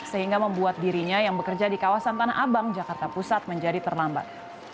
sehingga membuat dirinya yang bekerja di kawasan tanah abang jakarta pusat menjadi terlambat